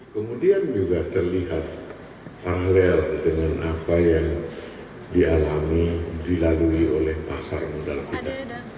kemudian juga terlihat paralel dengan apa yang dialami dilalui oleh pasar modal kita